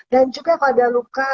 dan juga kalau ada luka